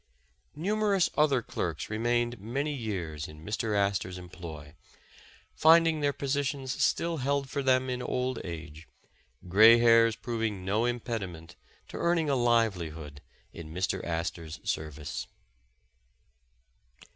Numerous other clerks remained many years in Mr. Astor 's employ, finding their positions still held for them in old age, grey hail's proving no impediment to earning a livelihood in Mr. Astor 's service.